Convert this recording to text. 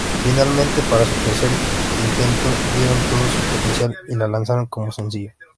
Finalmente, para su tercer intento vieron todo su potencial y la lanzaron como sencillo.